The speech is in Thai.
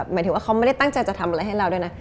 หมายถึงว่าเขาไม่ได้ตั้งใจจะทำอะไรให้เราด้วยนะ